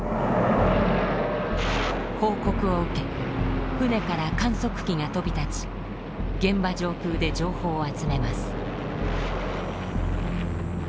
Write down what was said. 報告を受け船から観測機が飛び立ち現場上空で情報を集めます。